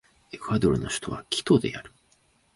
エクアドルの首都はキトである